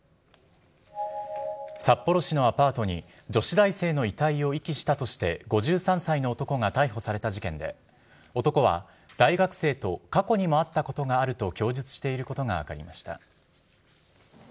札幌市のアパートに女子大生の遺体を遺棄したとして５３歳の男が逮捕された事件で男は大学生と過去にも会ったことがあると供述していることが分かりました。